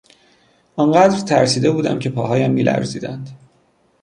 آن قدر ترسیده بودم که پاهایم میلرزیدند.